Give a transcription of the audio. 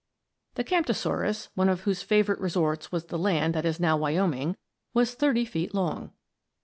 The Camptosaurus, one of whose favorite resorts was the land that is now Wyoming, was thirty feet long.